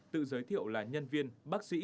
tự giới thiệu là nhân viên bác sĩ